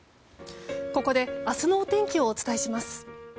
明日のお天気をお伝えします。